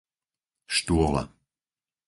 Štôla